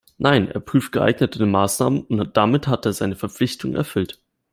Nein, er prüft geeignete Maßnahmen, und damit hat er seine Verpflichtungen erfüllt.